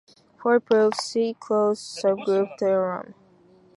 For a proof, see Closed subgroup theorem.